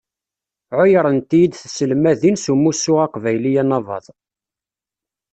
Ɛuyrent-iyi-d tselmadin s umussu aqbayli anabad.